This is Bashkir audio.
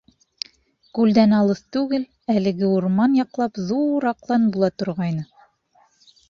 Күлдән алыҫ түгел, әлеге урман яҡлап ҙур аҡлан була торғайны.